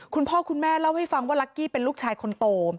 คุณพ่อคุณแม่เล่าให้ฟังว่าลักกี้เป็นลูกชายคนโต